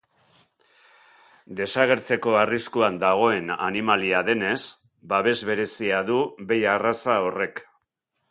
Desagertzeko arriskuan dagoen animalia denez, babes berezia du behi arraza horrek.